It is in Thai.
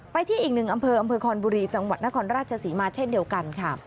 ที่อีกหนึ่งอำเภออำเภอคอนบุรีจังหวัดนครราชศรีมาเช่นเดียวกันค่ะ